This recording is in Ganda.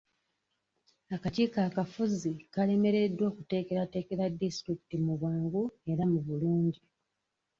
Akakiiko akafuzi kalemereddwa okuteekateekera disitulikiti mu bwangu era mu bulungi.